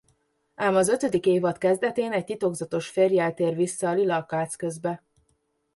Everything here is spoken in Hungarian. Ám az ötödik évad kezdetén egy titokzatos férjjel tér vissza a Lila akác közbe.